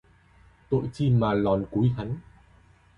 Tội chi mà lòn cúi hắn